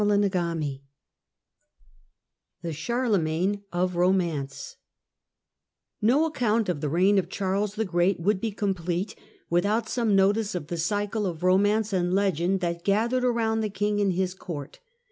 CHAPTEE XXI THE CHARLEMAGNE OF ROMANCE 1VTO account of the reign of Charles the Great would be complete without some notice of the cycle of romance and legend that gathered around the king and his court.